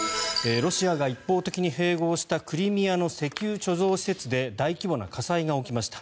ロシアが一方的に併合したクリミアの石油貯蔵施設で大規模な火災が起きました。